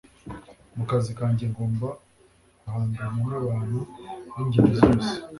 Mu kazi kanjye ngomba guhangana n'abantu b'ingeri zose.